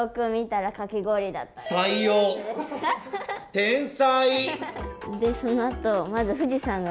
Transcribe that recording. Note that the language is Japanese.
天才！